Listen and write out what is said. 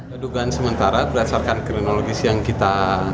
kedugaan sementara berdasarkan kronologis yang kita